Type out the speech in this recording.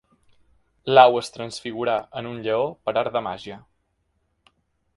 L'au es transfigurà en un lleó per art de màgia.